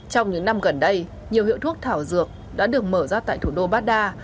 trong những năm gần đây nhiều hiệu thuốc thảo dược đã được mở ra tại thủ đô bát đa